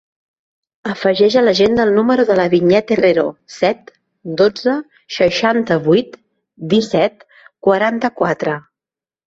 Afegeix a l'agenda el número de la Vinyet Herrero: set, dotze, seixanta-vuit, disset, quaranta-quatre.